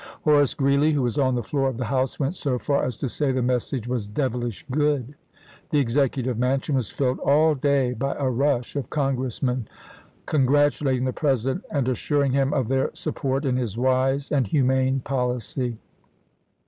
Horace Greeley, who was on the floor of the House, went so far as to say the message was " devilish good." The Executive Mansion was filled all day by a rush of Congressmen, congratulating the President and assuring him of their support in his wise and hu mane policy.